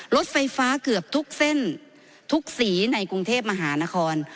รถไฟฟ้าเกือบทุกเส้นทุกสีในกรุงเทพมหานคร